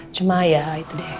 cuma ya itu deh